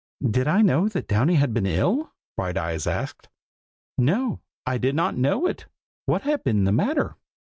"Did I know that Downy had been ill?" Brighteyes asked. "No I did not know it! What had been the matter?"